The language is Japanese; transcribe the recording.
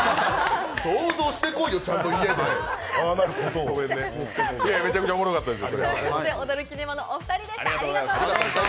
想像してこいよ、ちゃんと家で。